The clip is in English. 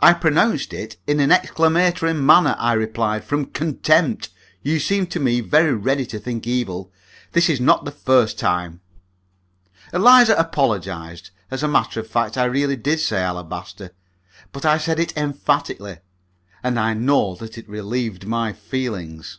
"I pronounced it in an exclamatory manner," I replied, "from contempt! You seem to me very ready to think evil. This is not the first time!" Eliza apologized. As a matter of fact, I really did say alabaster. But I said it emphatically, and I own that it relieved my feelings.